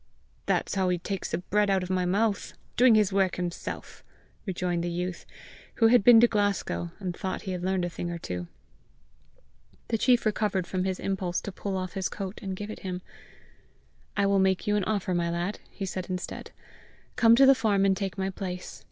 "That's how he takes the bread out of my mouth doing his work himself!" rejoined the youth, who had been to Glasgow, and thought he had learned a thing or two. The chief recovered from his impulse to pull off his coat and give it him. "I will make you an offer, my lad," he said instead: "come to the farm and take my place.